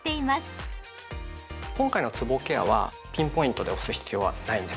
今回のつぼケアはピンポイントで押す必要はないんです。